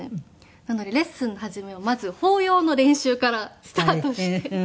なのでレッスン初めはまず抱擁の練習からスタートして。